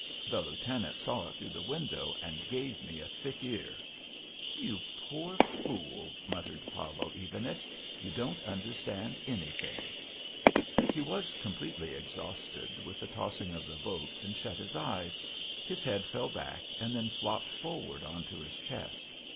The lieutenant saw it through the window and gave me a thick ear." "You poor fool," muttered Pavel Ivanich. "You don't understand anything." He was completely exhausted with the tossing of the boat and shut his eyes; his head fell back and then flopped forward onto his chest.